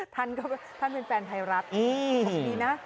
ท่านก็ท่านเป็นแฮนต์ไทยลัดดีนะ